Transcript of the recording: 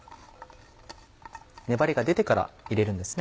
粘りが出てから入れるんですね？